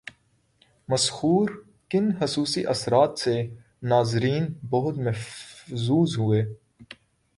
مسحور کن خصوصی اثرات سے ناظرین بہت محظوظ ہوئے